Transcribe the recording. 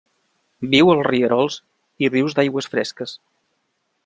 Viu als rierols i rius d'aigües fresques.